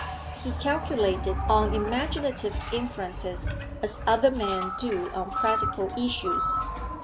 He calculated on imaginative influences as other men do on practical issues.